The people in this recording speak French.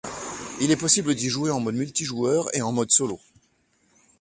Il est possible d'y jouer en mode multijoueur et en mode solo.